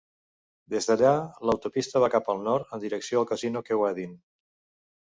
Des d'allà, l'autopista va cap al nord, en direcció al casino Kewadin.